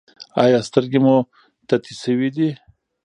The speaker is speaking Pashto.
ایا سترګې مو تتې شوې دي؟